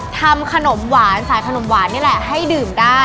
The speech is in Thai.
ทำขนมหวานสายขนมหวานนี่แหละให้ดื่มได้